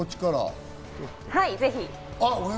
はい、ぜひ。